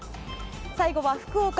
最後は福岡。